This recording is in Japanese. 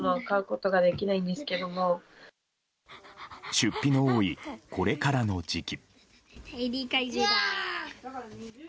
出費の多いこれからの時期。